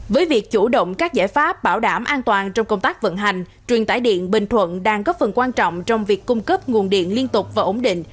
với việc chủ động các giải pháp bảo đảm an toàn trong công tác vận hành truyền tải điện bình thuận đang góp phần quan trọng trong việc cung cấp nguồn điện liên tục và ổn định